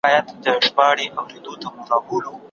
هغه وویل چې تعلیم ډېر مهم دی.